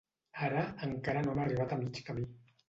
Ara, encara no hem arribat a mig camí.